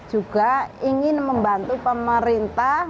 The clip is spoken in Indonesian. juga ingin membantu pemerintah